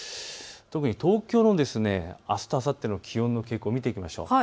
特に東京のあすとあさっての気温の傾向を見ていきましょう。